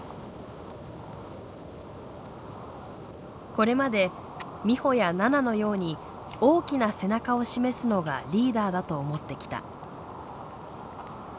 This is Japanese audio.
これまで美帆や菜那のように大きな背中を示すのがリーダーだと思ってきた。